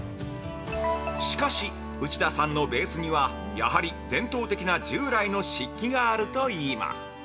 ◆しかし内田さんのベースにはやはり伝統的な従来の漆器があると言います。